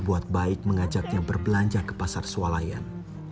buat baik mengajaknya berbelanja ke pasar swalayan